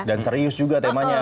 dan serius juga temanya